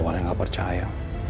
awalnya ga percaya